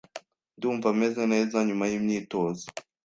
Ndumva meze neza nyuma y'imyitozo.